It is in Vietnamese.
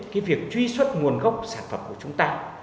cái việc truy xuất nguồn gốc sản phẩm của chúng ta